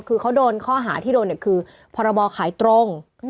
คือเขาโดนข้อหาที่โดนเนี่ยคือพรบขายตรง